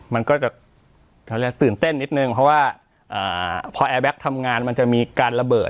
มันก็จะตื่นเต้นนิดนึงเพราะว่าพอแอร์แบ็คทำงานมันจะมีการระเบิด